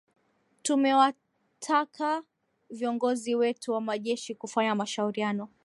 tumewataka viongozi wetu wa majeshi kufanya mashauriano